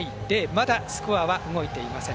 まだ、スコアは動いていません。